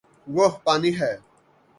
وہ پانی ہے